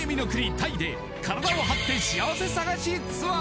タイで体を張って幸せ探しツアー！